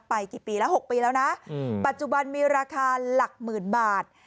กี่ปีแล้ว๖ปีแล้วนะปัจจุบันมีราคาหลักหมื่นบาท